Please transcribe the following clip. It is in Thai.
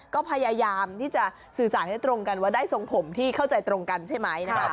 ก็พยายามที่จะสื่อสารให้ตรงกันว่าได้ทรงผมที่เข้าใจตรงกันใช่ไหมนะคะ